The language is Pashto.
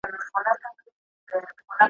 په پردي جنگ كي بايللى مي پوستين دئ `